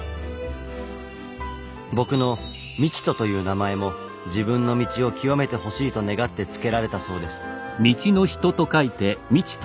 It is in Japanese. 僕の「道人」という名前も「自分の道を究めてほしい」と願って付けられたそうです。